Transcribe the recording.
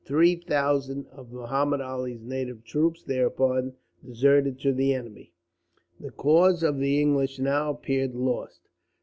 Three thousand of Muhammud Ali's native troops thereupon deserted to the enemy. "The cause of the English now appeared lost.